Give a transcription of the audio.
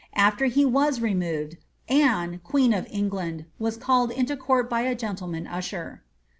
After he was removed, Anne queen of England was called into court by a gentle man usher.